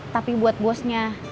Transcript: tapi buat bosnya